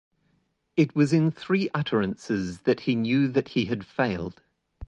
It was in three utterances that he knew that he had failed.